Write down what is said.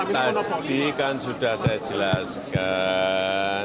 tadi kan sudah saya jelaskan